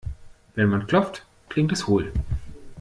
Wenn man klopft, klingt es hohl.